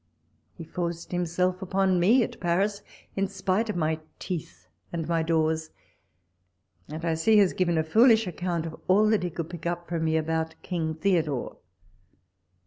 He fox'ced himself upon me at Paris in spite of my teeth and my doors, and I see has given a foolish account of all he could pick up from me about King Theodore.